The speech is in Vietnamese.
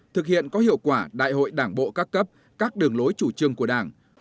thực hiện có hiệu quả đại hội đảng bộ các cấp các đường lối chủ trương của đảng